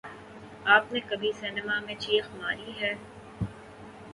آپ نے کبھی سنیما میں چیخ ماری ہے